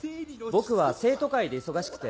僕は生徒会で忙しくて。